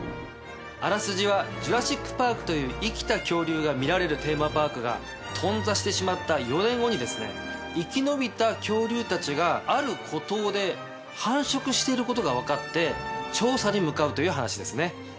あらすじはジュラシック・パークという生きた恐竜が見られるテーマパークが頓挫してしまった４年後に生き延びた恐竜たちがある孤島で繁殖してることが分かって調査に向かうという話ですね。